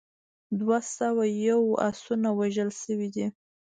دوه سوه یو اسونه وژل شوي دي.